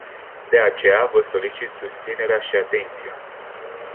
De aceea, vă solicit susținerea și atenția.